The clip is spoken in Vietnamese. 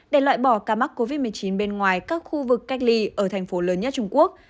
để loại bỏ ca mắc covid một mươi chín bên ngoài các khu vực cách ly ở thành phố lớn nhất trung quốc